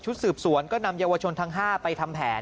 สืบสวนก็นำเยาวชนทั้ง๕ไปทำแผน